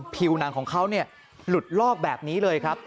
ผิวหนังของเขาหลุดลอกแบบนี้เลยครับ